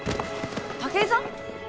武居さん？